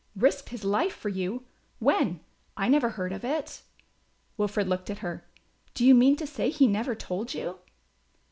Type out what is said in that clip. "Risked his life for you! When? I never heard of it." Wilfred looked at her. "Do you mean to say he never told you?"